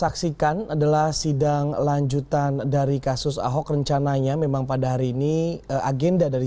kebukan dulu kebukan dulu